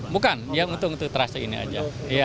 bukan untuk trase ini aja